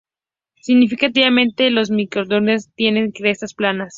Significativamente, las mitocondrias tienen crestas planas.